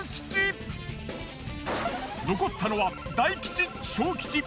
残ったのは大吉小吉